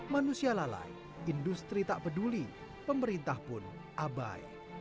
manusia lalai industri tak peduli pemerintah pun abai